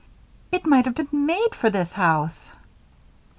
"It might have been made for this house!"